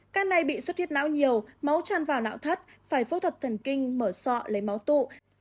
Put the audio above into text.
các này bị suốt huyết não nhiều máu tràn vào não thắt phải phẫu thuật thần kinh mở sọ lấy máu tụ